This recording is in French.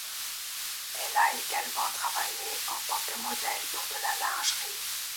Elle a également travaillé en tant que modèle pour de la lingerie.